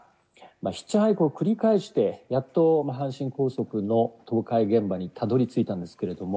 ヒッチハイクを繰り返してやっと阪神高速の倒壊現場にたどりついたんですけれども